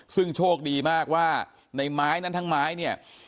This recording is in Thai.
ซึ่งโชคดีมากว่าในไม้นั้นทั้งไม้เนี่ย